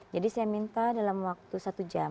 jadi saya minta dalam waktu satu jam